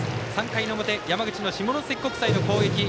３回の表、山口の下関国際の攻撃。